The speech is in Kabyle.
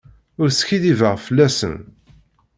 Ur skiddibeɣ fell-asen.